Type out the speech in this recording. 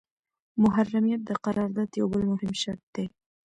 محرمیت د قرارداد یو بل مهم شرط دی.